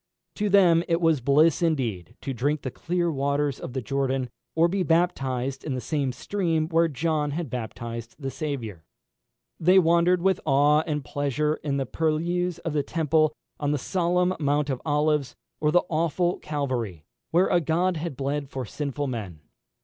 To them it was bliss indeed to drink the clear waters of the Jordan, or be baptised in the same stream where John had baptised the Saviour. They wandered with awe and pleasure in the purlieus of the Temple, on the solemn Mount of Olives, or the awful Calvary, where a God had bled for sinful men.